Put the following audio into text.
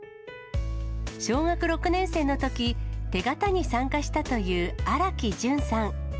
小学６年生のとき、手形に参加したという荒木淳さん。